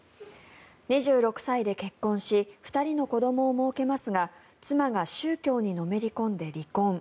２６歳で結婚し２人の子どもをもうけますが妻が宗教にのめり込んで離婚。